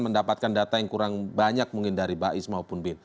mendapatkan data yang kurang banyak mungkin dari bais maupun bin